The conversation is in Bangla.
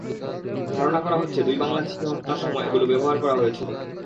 ধারণা করা হচ্ছে, দুই বাংলাদেশিকে হত্যার সময় এগুলো ব্যবহার করা হয়েছিল।